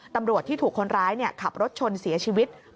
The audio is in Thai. ตำรวจที่ถูกคนร้ายขับรถชนเสียชีวิต